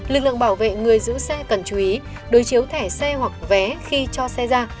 lực lượng bảo vệ người giữ xe cần chú ý đối chiếu thẻ xe hoặc vé khi cho xe ra